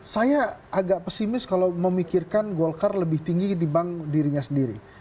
saya agak pesimis kalau memikirkan golkar lebih tinggi dibanding dirinya sendiri